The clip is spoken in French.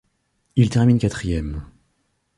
Il termine quatrième.